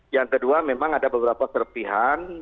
yang kedua memang ada beberapa serpihan